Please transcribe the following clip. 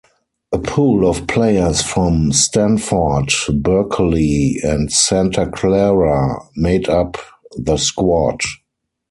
A pool of players from Stanford, Berkeley, and Santa Clara made up the squad.